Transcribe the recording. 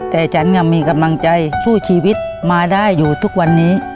แต่ฉันยังมีกำลังใจสู้ชีวิตมาได้อยู่ทุกวันนี้